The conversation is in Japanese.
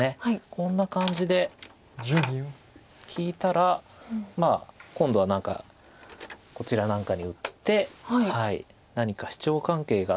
こんな感じで利いたら今度は何かこちらなんかに打って何かシチョウ関係が。